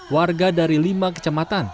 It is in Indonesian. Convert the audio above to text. warga dari lima kecematan